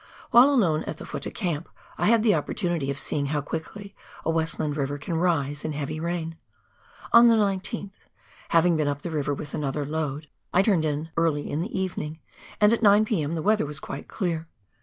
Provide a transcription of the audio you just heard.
While alone at the " futtah " camp I had an opportunity of seeing how quickly a Westland river can rise in heavy rain. On the 19th, having been up the river with another load, I turned in early in the evening, and at 9 P.m. the weather was quite clear.